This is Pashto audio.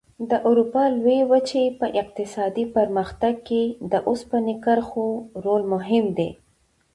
د اروپا لویې وچې په اقتصادي پرمختګ کې د اوسپنې کرښو رول مهم دی.